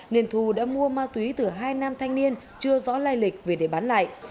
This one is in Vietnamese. nên thu đã mua ma túy từ hai nam thanh niên chưa rõ lai lịch về để bán lại